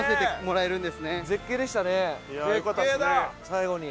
最後に。